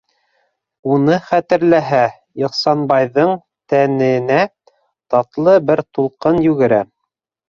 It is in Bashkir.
Уны хәтерләһә, Ихсанбайҙың тәненә татлы бер тулҡын йүгерә.